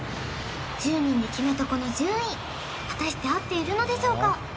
１０人で決めたこの順位果たして合っているのでしょうか？